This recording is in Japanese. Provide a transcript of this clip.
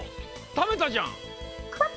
食べたじゃん！